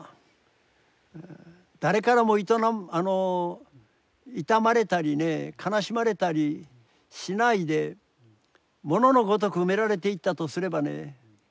誰からも悼まれたりね悲しまれたりしないで物のごとく埋められていったとすればね